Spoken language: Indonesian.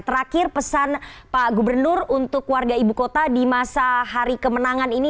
terakhir pesan pak gubernur untuk warga ibu kota di masa hari kemenangan ini